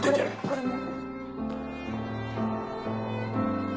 これも。